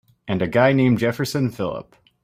And a guy named Jefferson Phillip.